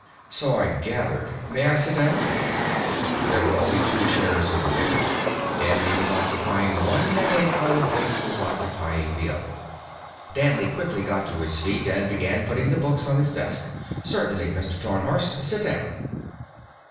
"So I gathered. May I sit down?" There were only two chairs in the room. Danley was occupying one, and a pile of books was occupying the other. Danley quickly got to his feet and began putting the books on his desk. "Certainly, Mr. Tarnhorst. Sit down."